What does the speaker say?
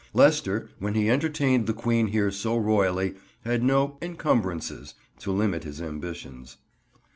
Leicester, when he entertained the Queen here so royally, had no "encumbrances," to limit his ambitions.